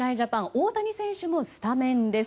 大谷選手もスタメンです。